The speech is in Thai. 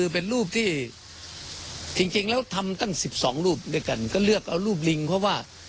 เป็น๑๒รูปด้วยกันก็เลือกเอารูปลิงเพราะว่า